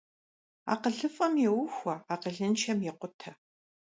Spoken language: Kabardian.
АкъылыфӀэм еухуэ, акъылыншэм екъутэ.